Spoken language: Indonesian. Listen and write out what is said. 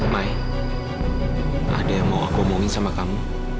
mai ada yang mau aku omongin sama kamu